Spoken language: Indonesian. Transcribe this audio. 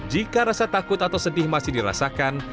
jika rasa takut atau sedih masih dirasakan